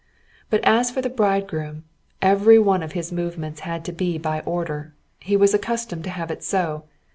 But as for the bridegroom, every one of his movements had to be by order; he was accustomed to have it so.